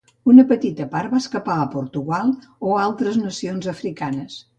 Una petita part va escapar a Portugal o a altres nacions africanes.